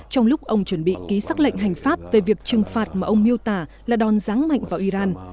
trong lúc ông chuẩn bị ký xác lệnh hành pháp về việc trừng phạt mà ông miêu tả là đòn ráng mạnh vào iran